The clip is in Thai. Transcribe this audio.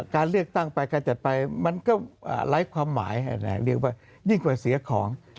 การเลือกตั้งไปการจัดไปมันก็ไร้ความหมายเรียกว่ายิ่งกว่าเสียของ